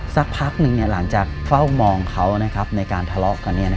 สักพักหนึ่งหลังจากเฝ้ามองเขาในการทะเลาะกัน